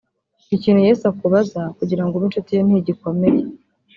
Ikintu Yesu akubaza kugira ngo ube inshuti ye ntigikomeye